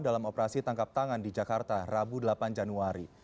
dalam operasi tangkap tangan di jakarta rabu delapan januari